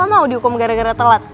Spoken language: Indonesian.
mau dihukum gara gara telat